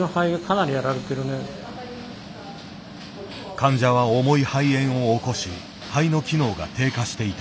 患者は重い肺炎を起こし肺の機能が低下していた。